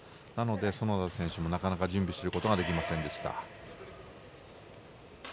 園田選手もなかなか準備することができませんでした。